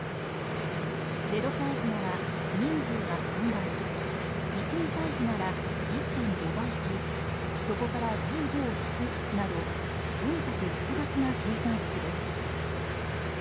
０歳児なら人数が３倍１２歳児なら１．５倍しそこから１５を引くなどとにかく複雑な計算式です。